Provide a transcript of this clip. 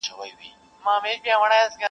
څوک دي نه ګوري و علم او تقوا ته,